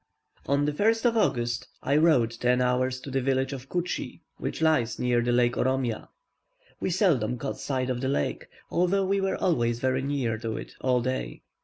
On the 1st of August, I rode ten hours to the village of Kutschie, which lies near the Lake Oromia; we seldom caught sight of the lake, although we were always very near to it all day.